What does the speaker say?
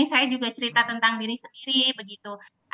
saya juga cerita tentang diri sendiri begitu